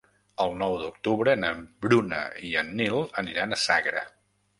El nou d'octubre na Bruna i en Nil aniran a Sagra.